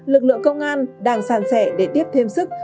lực lượng công an đang sàn sẻ để tiếp thêm sức